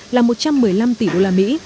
là một trăm một mươi năm tỷ đô la mỹ